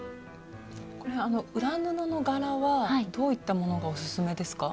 裏布の柄はどういったものがおすすめですか？